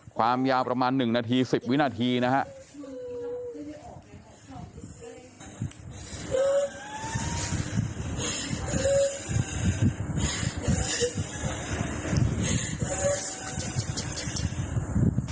ความยาวประมาณ๑นาที๑๐วินาทีนะครับ